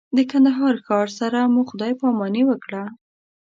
د کندهار ښار سره مو خدای پاماني وکړه.